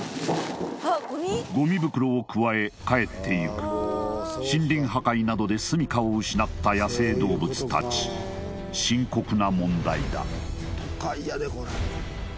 ゴミ袋をくわえ帰ってゆく森林破壊などですみかを失った野生動物達深刻な問題だ